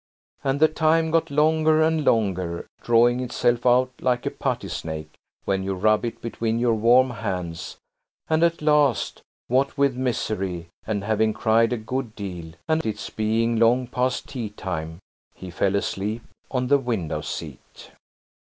And the time got longer and longer, drawing itself out like a putty snake, when you rub it between your warm hands–and at last, what with misery, and having cried a good deal, and its being long past tea time, he fell asleep on the window seat.